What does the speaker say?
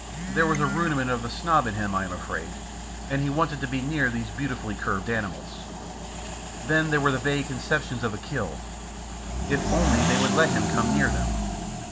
There was a rudiment of the snob in him, I am afraid, and he wanted to be near these beautifully curved animals. Then there were vague conceptions of a kill. If only they would let him come near them!